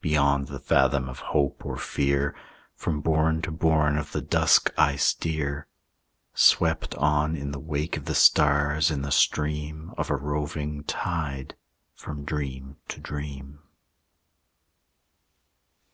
Beyond the fathom of hope or fear, From bourn to bourn of the dusk I steer, Swept on in the wake of the stars, in the stream Of a roving tide, from dream to dream.